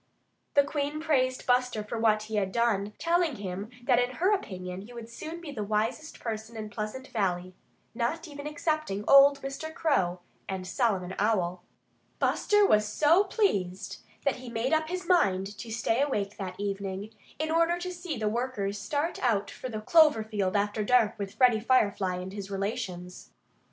The Queen praised Buster for what he had done, telling him that in her opinion he would soon be the wisest person in Pleasant Valley not even excepting old Mr. Crow and Solomon Owl. Buster was so pleased that he made up his mind to stay awake that evening, in order to see the workers start out for the clover field after dark with Freddie Firefly and his relations.